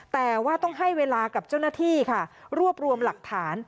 แต่ว่าต้องให้เวลากับเจ้าหน้าที่ค่ะรวบรวมหลักฐาน